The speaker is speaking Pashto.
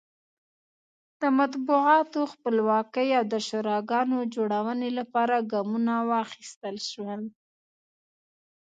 د مطبوعاتو خپلواکۍ او د شوراګانو جوړونې لپاره ګامونه واخیستل شول.